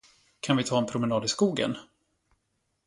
Kan vi ta en promenad i skogen?